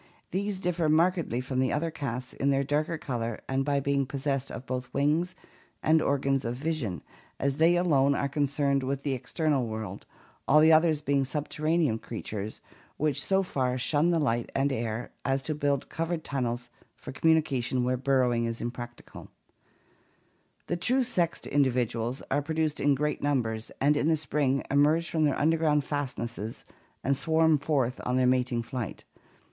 These differ markedly from the other castes in their darker color and by being pos sessed of both wings and organs of vision, as they alone are concerned with the external world, all of the others being subterranean creatures which so far shun the light and air as to build covered tunnels for commu nication where burrowing is impracticable. The true sexed individuals are produced in great numbers, and in the spring emerge from their underground fastnesses and swarm forth on their mating flight.